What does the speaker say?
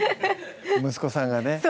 息子さんがね